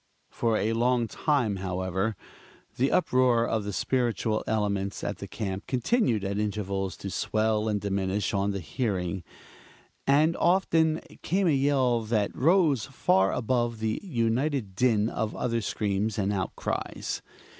For a long time, however, the uproar of the spiritual elements at the camp continued at intervals to swell and diminish on the hearing; and, often came a yell that rose far above the united din of other screams and outcries.